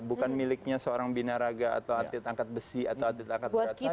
bukan miliknya seorang bina raga atau atlet angkat besi atau atlet angkat berat saja